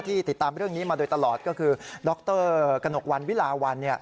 ติดตามเรื่องนี้มาโดยตลอดก็คือดรกระหนกวันวิลาวัน